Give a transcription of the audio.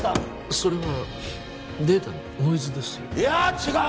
それはデータのノイズですよいや違う！